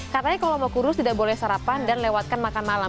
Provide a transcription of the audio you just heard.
katanya kalau mau kurus tidak boleh sarapan dan lewatkan makan malam